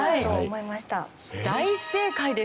はい大正解です。